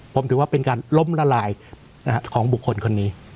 ผมถือว่าเป็นการล้มละลายของบุคคลคนนี้